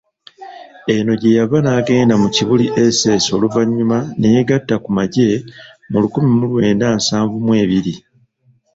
Eno gyeyava nagenda mu Kibuli SS oluvanyuma neyeegatta ku magye mu lukumi lwenda nsanvu mwe ebiri.